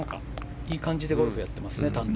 いい感じで淡々とゴルフやってますね。